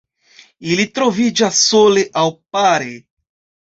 Ili troviĝas sole aŭ pare.